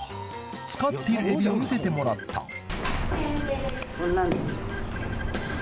使っているエビを見せてもらったこんなんですよ。